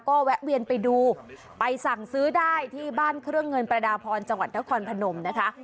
ก็แวะเวียนไปดูไปสั่งซื้อได้ที่บ้านเครื่องเงินประดาพรจังหวัดนครพนมนะคะ